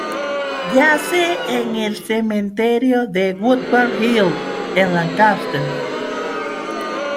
Yace en el Cementerio de Woodward Hill, en Lancaster.